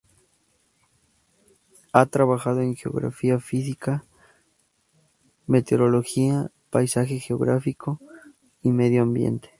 Ha trabajado en Geografía Física, Meteorología, Paisaje Geográfico y Medio Ambiente.